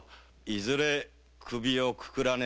いずれ首をくくらねば。